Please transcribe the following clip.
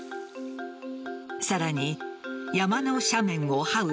さらに、山の斜面をはう